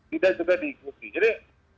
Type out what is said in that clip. tidak juga diikuti jadi